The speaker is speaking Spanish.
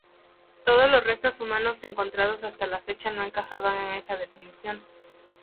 Todos los restos humanos encontrados hasta la fecha no encajaban en esa definición.